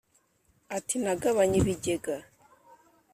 Ati: “Nagabanye ibigega